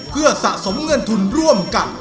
เพื่อสะสมเงินทุนร่วมกัน